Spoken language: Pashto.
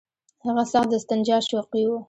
هغه سخت د استنجا شوقي وو.